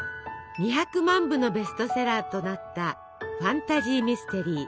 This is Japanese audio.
２００万部のベストセラーとなったファンタジーミステリー